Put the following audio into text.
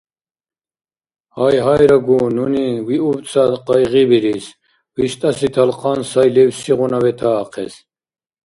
Гьайгьайрагу, нуни виубцад къайгъибирис, виштӀаси талхъан сай левсигъуна ветаахъес.